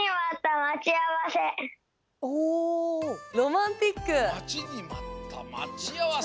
まちにまったまちあわせ。